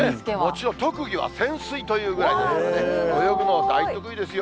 もちろん、特技は潜水というぐらいで、泳ぐの大得意ですよ。